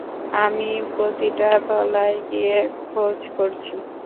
আমি প্রতিটা তলায় গিয়ে খোঁজ করছি।